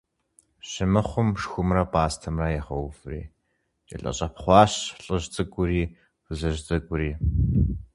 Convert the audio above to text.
Щымыхъум – шхумрэ пӀастэмрэ ягъэуври кӀэлъыщӀэпхъуащ лӀыжь цӀыкӀури фызыжь цӀыкӀури.